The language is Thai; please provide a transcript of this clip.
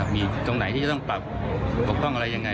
มีตรงไหนที่จะต้องปรับปกป้องอะไรยังไง